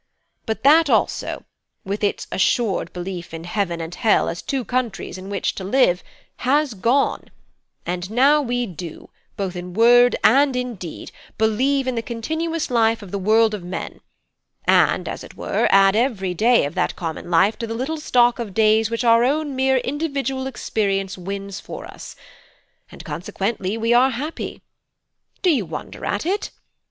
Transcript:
"But that also, with its assured belief in heaven and hell as two countries in which to live, has gone, and now we do, both in word and in deed, believe in the continuous life of the world of men, and as it were, add every day of that common life to the little stock of days which our own mere individual experience wins for us: and consequently we are happy. Do you wonder at it?